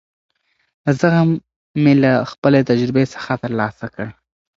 زغم مې له خپلې تجربې څخه ترلاسه کړ.